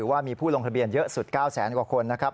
ว่ามีผู้ลงทะเบียนเยอะสุด๙แสนกว่าคนนะครับ